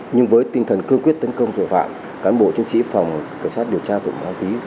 nhưng với tinh thần cương quyết tấn công tội phạm cán bộ chiến sĩ phòng cảnh sát điều tra tội phạm ma túy